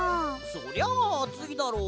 そりゃあついだろ。